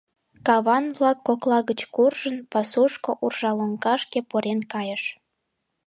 Каван-влак кокла гыч куржын, пасушко, уржа лоҥгашке, пурен кайыш.